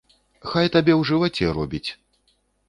Хай табе ў жываце робіць!